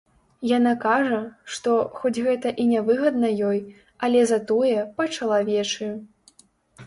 Яна кажа, што, хоць гэта і нявыгадна ёй, але затое па-чалавечы.